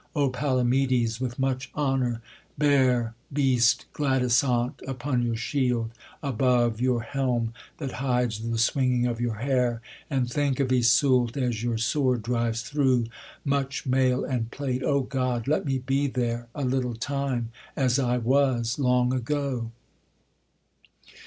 O Palomydes, with much honour bear Beast Glatysaunt upon your shield, above Your helm that hides the swinging of your hair, And think of Iseult, as your sword drives through Much mail and plate: O God, let me be there A little time, as I was long ago!